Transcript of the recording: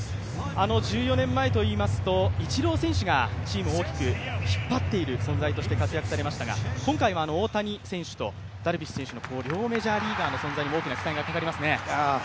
１４年前といいますとイチロー選手がチームを大きく引っ張っている存在として活躍されましたが今回も大谷選手とダルビッシュ選手の両メジャーリーガーの存在に大きな期待がかかりますね。